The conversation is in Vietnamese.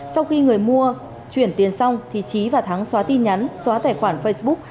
sau khi người mua chuyển tiền xong thí chí và thắng xóa tin nhắn xóa tài khoản facebook